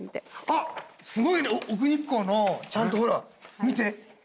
あっすごいね奥日光のちゃんとほら見て。